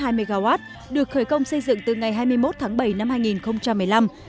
mỗi tòa pin có công suất hai mươi mw được khởi công xây dựng từ ngày hai mươi một tháng bảy năm hai nghìn một mươi năm